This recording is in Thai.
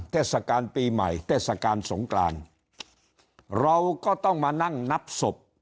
เทศกาลปีใหม่เทศกาลสงกรานเราก็ต้องมานั่งนับศพ